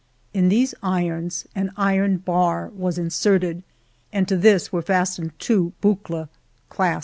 In these irons an iron bar — B — was inserted, and to this were fastened two boucles, — CC.